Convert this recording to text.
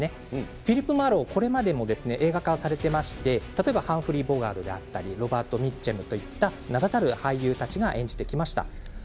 フィリップ・マーロウはこれまで描かされていましてハンフリー・ボガート、ロバート・ミッチャム名だたる俳優たちが演じてきました。